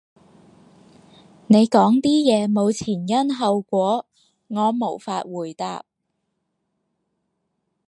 你講啲嘢冇前因後果，我無法回答